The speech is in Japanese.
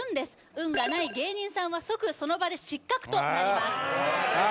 運がない芸人さんは即その場で失格となりますあ